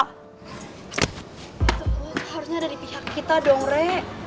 itu harusnya dari pihak kita dong re